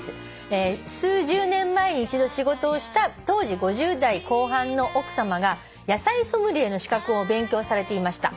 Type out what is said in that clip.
「数十年前に一度仕事をした当時５０代後半の奥さまが野菜ソムリエの資格を勉強されていました」